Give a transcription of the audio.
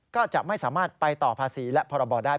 ก็จะไม่สามารถไปต่อภาษีและพรบได้